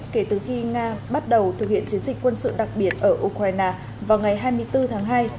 kể từ khi nga bắt đầu thực hiện chiến dịch quân sự đặc biệt ở ukraine vào ngày hai mươi bốn tháng hai